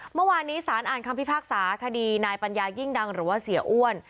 เมื่อวานนี้สารอ่านคำพิพากษาคดีนายปัญญายิ่งดังหรือว่าเสียอ้วน